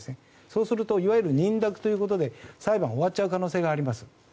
そうするといわゆる認諾ということで裁判が終わっちゃう可能性があります。